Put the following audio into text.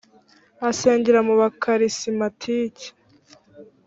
asengera mu bakarisimatike